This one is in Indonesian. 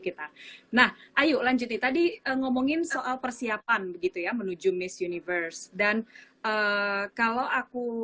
kita nah ayo lanjuti tadi ngomongin soal persiapan begitu ya menuju miss universe dan kalau aku